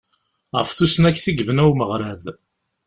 Ɣef tusnakt i yebna umeɣrad.